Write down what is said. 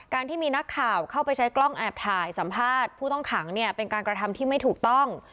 ที่มีนักข่าวเข้าไปใช้กล้องแอบถ่ายสัมภาษณ์ผู้ต้องขังเนี่ยเป็นการกระทำที่ไม่ถูกต้อง